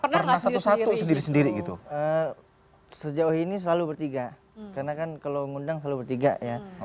pernah satu satu sendiri sendiri gitu sejauh ini selalu bertiga karena kan kalau ngundang selalu bertiga ya